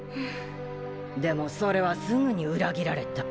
でもそれはすぐに裏切られた。